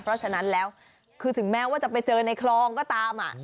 เพราะฉะนั้นแล้วคือถึงแม้ว่าจะไปเจอในคลองก็ตาม